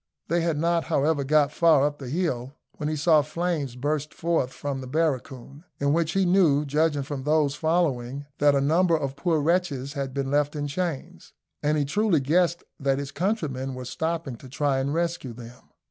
They had not, however, got far up the hill when he saw flames burst forth from the barracoon, in which he knew, judging from those following, that a number of poor wretches had been left in chains, and he truly guessed that his countrymen were stopping to try and rescue them.